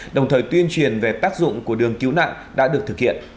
đồng thời tuyên truyền về tác dụng của đường cứu nạn đã được thực hiện